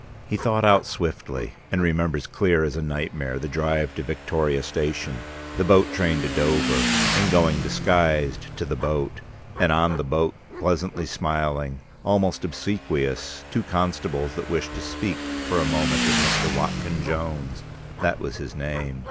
He thought out swiftly, and remembers clear as a nightmare, the drive to Victoria Station, the boat train to Dover and going disguised to the boat: and on the boat pleasantly smiling, almost obsequious, two constables that wished to speak for a moment with Mr. Watkyn Jones. That was his name.